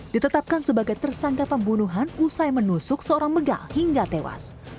ditetapkan sebagai tersangka pembunuhan usai menusuk seorang begal hingga tewas